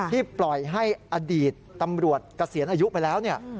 ปล่อยให้อดีตตำรวจเกษียณอายุไปแล้วเนี่ย